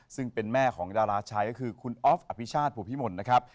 ซึ่งเป็นแม่ของดาราชัยก็คือคุณออฟอภิชาติภูพิมลนะครับ